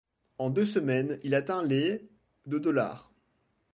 En deux semaines, il atteint les de dollars.